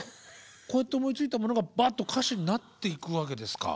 こうやって思いついたものがばっと歌詞になっていくわけですか。